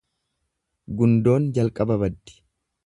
Gundoon jalqaba baddi.